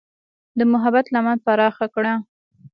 د محبت لمن پراخه کړه.